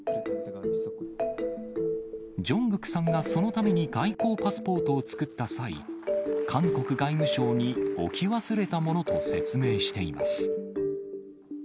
ジョングクさんがそのために外交パスポートを作った際、韓国外務省に置き忘れたものと説明しています。